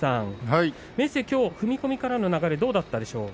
明生、きょう踏み込みからの流れどうだったでしょう。